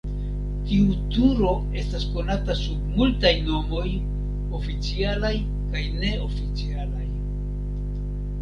Tiu turo estas konata sub multaj nomoj, oficialaj kaj neoficialaj.